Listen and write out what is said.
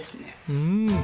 うん。